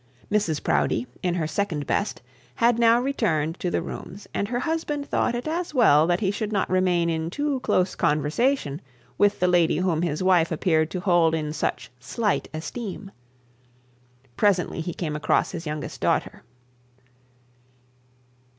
Mrs Proudie, in her second best, had now returned to the rooms, and her husband thought it as well that he should not remain in too close conversation with the lady whom his wife appeared to hold in such slight esteem. Presently he came across his youngest daughter.